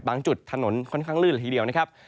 จุดถนนค่อนข้างลื่นละทีเดียวนะครับ